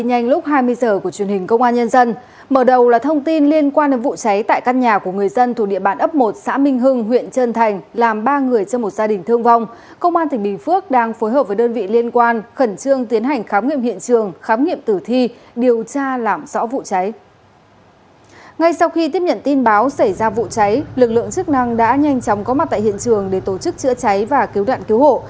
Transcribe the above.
ngay sau khi tiếp nhận tin báo xảy ra vụ cháy lực lượng chức năng đã nhanh chóng có mặt tại hiện trường để tổ chức chữa cháy và cứu đoạn cứu hộ